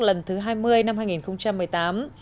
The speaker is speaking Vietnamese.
lần thứ hai mươi năm hai nghìn một mươi tám